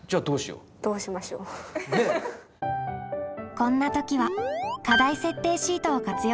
こんな時は「課題設定シート」を活用しましょう。